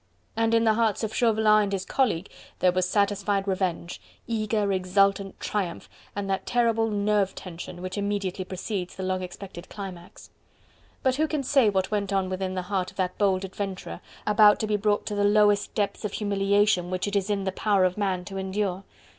And in the hearts of Chauvelin and his colleague there was satisfied revenge, eager, exultant triumph and that terrible nerve tension which immediately precedes the long expected climax. But who can say what went on within the heart of that bold adventurer, about to be brought to the lowest depths of humiliation which it is in the power of man to endure?